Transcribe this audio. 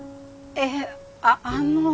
えああの。